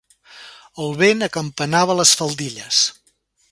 El vent acampanava les faldilles.